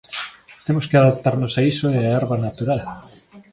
Temos que adaptarnos a iso e a herba natural.